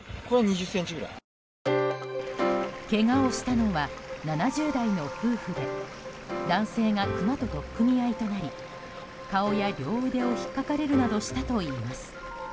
けがをしたのは７０代の夫婦で男性がクマと取っ組み合いとなり顔や両腕をひっかかれるなどしたといいます。